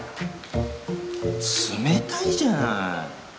冷たいじゃない。